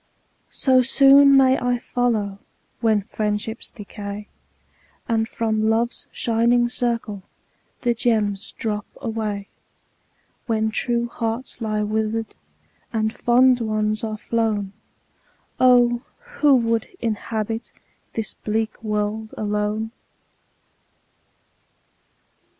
So soon may I follow, When friendships decay, And from Love's shining circle The gems drop away. When true hearts lie wither'd, And fond ones are flown, Oh ! who would inhabit This bleak world alone